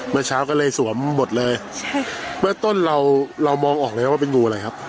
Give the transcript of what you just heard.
เมื่อเช้าก็เลยสวมหมดเลยใช่เมื่อต้นเราเรามองออกเลยครับว่าเป็นงูอะไรครับ